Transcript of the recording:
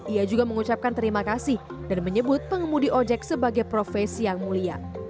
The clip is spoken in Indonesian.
ia juga mengucapkan terima kasih dan menyebut pengemudi ojek sebagai profesi yang mulia